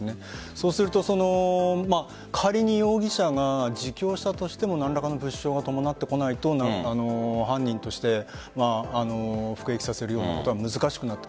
そうすると仮に容疑者が自供したとしても何らかの物証が伴ってこないと犯人として服役させるようなことは難しいと。